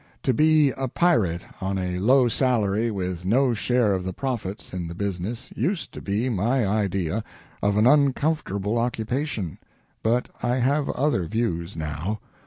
To be a pirate on a low salary and with no share of the profits in the business used to be my idea of an uncomfortable occupation, but I have other views now.